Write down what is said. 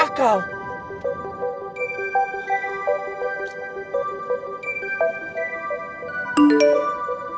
aku mau ke rumah